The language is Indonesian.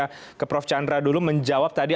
saya ke prof chandra dulu menjawab tadi